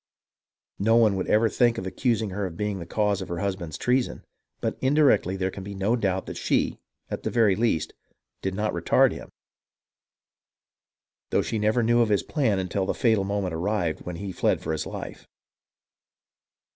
No one would ever think of accusing her of being the cause of her husband's treason, but indirectly there can be no doubt that she, at the very least, did not retard him, though she never knew of his plan until the fatal moment arrived when he fled for his life.